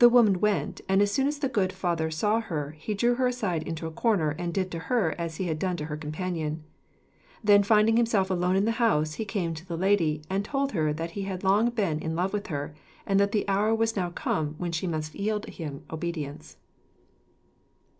The woman went, and as soon as the good father saw her, he drew her aside into a corner and did to her as he had done to her companion. Then, finding himself alone in the house, he came to the lady, and told her that he had long been in love with her, and that the hour was now come when she must yield him obedience.